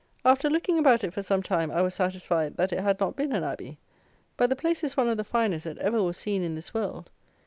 After looking about it for some time, I was satisfied that it had not been an Abbey; but the place is one of the finest that ever was seen in this world.